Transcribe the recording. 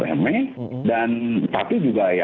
pme tapi juga